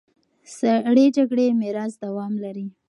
سړې جګړې میراث دوام لري.